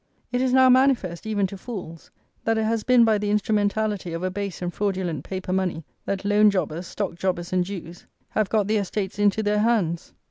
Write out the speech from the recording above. It is now manifest, even to fools, that it has been by the instrumentality of a base and fraudulent paper money that loan jobbers, stock jobbers and Jews have got the estates into their hands.